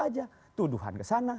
aja tuduhan ke sana tuduhan ke sana